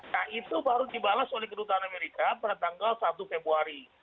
nah itu baru dibalas oleh kedutaan amerika pada tanggal satu februari